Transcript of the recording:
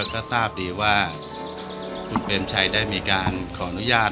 ก็ทราบดีว่าคุณเปรมชัยได้มีการขออนุญาต